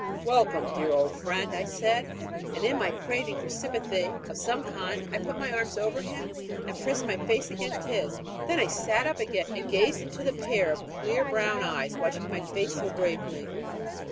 "Welcome, dear old friend!" said I; and in my craving for sympathy of some kind I put my arms over him, and pressed my face against his. Then I sat up again, and gazed into the pair of clear brown eyes watching my face so gravely.